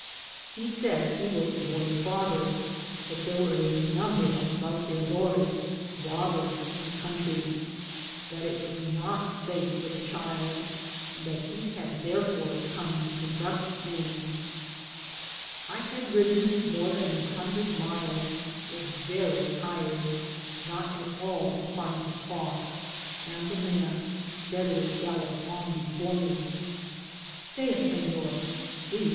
He said he was the boy's father, that there were a number of ^^ saltea dores'^ (robbers) in the country — that it was not safe for the child, and that he had therefore come to conduct me. I had ridden more than a hundred Digitized byGoogk THE 1>AMPAS* lOd imlesy was very tired, not at all inclined to talk, and the man steadily galloped on before me. " Vea, Seiior r (see !)